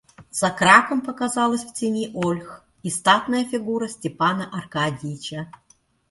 За Краком показалась в тени ольх и статная фигура Степана Аркадьича.